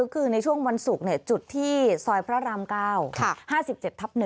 คือในช่วงวันศุกร์จุดที่ซอยพระราม๙๕๗ทับ๑